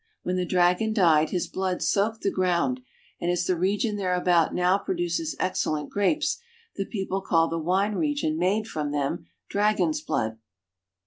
When the dragon died his blood soaked the ground, and as the region thereabout now produces excellent grapes, the people call the wine made from them, dragon's blood.